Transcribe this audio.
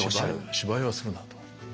芝居はするなと。